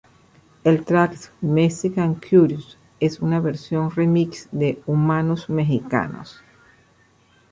El track "Mexican Curious" es una versión remix de "Humanos Mexicanos".